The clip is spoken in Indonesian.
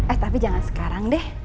eh tapi jangan sekarang deh